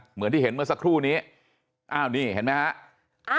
เหมือนที่เห็นเมื่อสักครู่นี้อ้าวนี่เห็นไหมฮะ